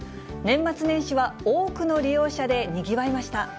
年末年始は多くの利用者でにぎわいました。